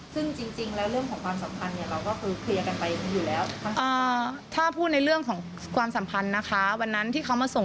ซึ่งจริงแล้วเรื่องของความสัมพันธ์